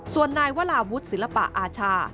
ส่วนนายวราวุฒิศิลปะอาชา